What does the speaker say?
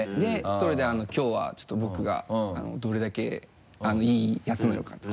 それできょうはちょっと僕がどれだけいいやつなのかと。